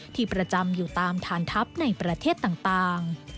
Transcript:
ที่ประจำอยู่ตามฐานทัพในประเทศต่าง